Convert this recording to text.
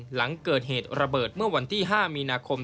หลังเกิดเหตุระเบิดเมื่อวันที่๕มีนาคม